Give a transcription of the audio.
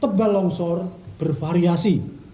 tebal longsor bervariasi